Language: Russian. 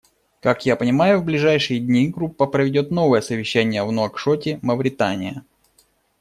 Как я понимаю, в ближайшие дни Группа проведет новое совещание в Нуакшоте, Мавритания.